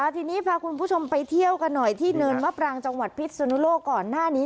ทีนี้พาคุณผู้ชมไปเที่ยวกันหน่อยที่เนินมะปรางจังหวัดพิษสุนุโลกก่อนหน้านี้